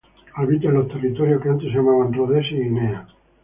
Habita en los territorios que antes se llamaban Rodesia y Guinea.